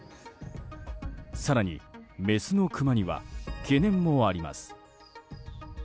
更にメスのクマには懸念もあります。